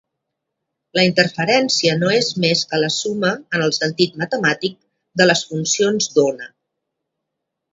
La interferència no és més que la suma, en el sentit matemàtic, de les funcions d'ona.